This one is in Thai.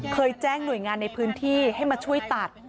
เคยแจ้งหน่วยงานในพื้นที่ให้มาช่วยตัด